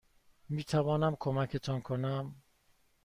میتوانم کمکتان کنم؟